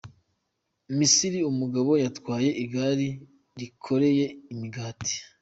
Misiri: Umugabo yatwaye igari yikoreye imigati.